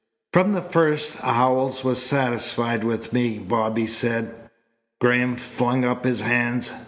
"From the first Howells was satisfied with me," Bobby said. Graham flung up his hands.